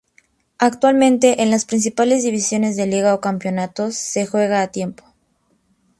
Actualmente, en las principales divisiones de Liga o Campeonatos se juega a tiempo.